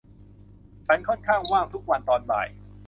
ฉันค่อนข้างว่างทุกวันตอนบ่าย